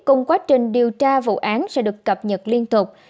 cùng quá trình điều tra vụ án sẽ được cập nhật liên tục